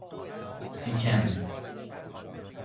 دیکنز